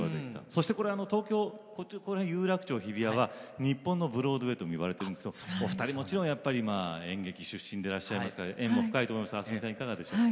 そして、東京の銀座有楽町、日比谷は日本のブロードウェイとも呼ばれているんですけどお二人、もちろん演劇出身でいらっしゃいますから縁も深いと思いますが明日海さん、いかがでしょうか。